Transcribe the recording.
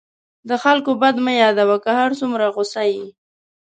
د خلکو بد مه یادوه، که هر څومره غصه یې.